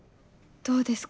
どうですか？